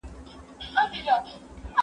ته ولي درسونه لوستل کوې،